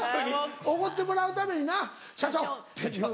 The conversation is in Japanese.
おごってもらうためにな「社長」っていう。